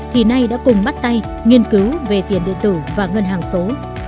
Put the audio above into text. thì nay đã cùng bắt tay nghiên cứu về tiền điện tử và ngân hàng số